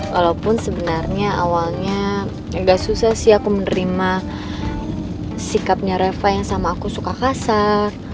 walaupun sebenarnya awalnya agak susah sih aku menerima sikapnya reva yang sama aku suka kasar